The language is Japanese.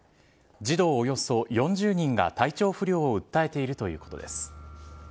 児童およそ４０人が体調不良を訴えているということです。